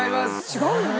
違うよね。